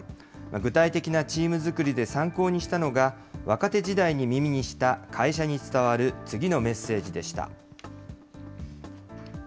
具体的なチーム作りで参考にしたのが、若手時代に耳にした会社に伝わる次のメッセージでした。